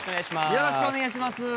よろしくお願いします。